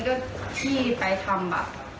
อันนี้ก็ที่ไปทำแบบ